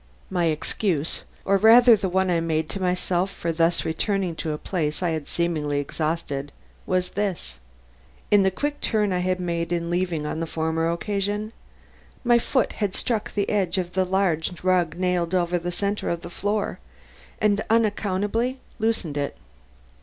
My excuse or rather the one I made to myself for thus returning to a place I had seemingly exhausted, was this. In the quick turn I had made in leaving on the former occasion, my foot had struck the edge of the large rug nailed over the center of the floor, and unaccountably loosened it.